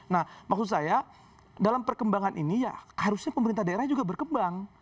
nah maksud saya dalam perkembangan ini ya harusnya pemerintah daerah juga berkembang